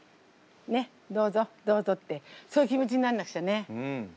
ねっどうぞどうぞってそういう気持ちになんなくちゃね。